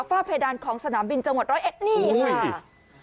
ฝ้าเพดานของสนามบินจังหวัด๑๐๑ค่ะ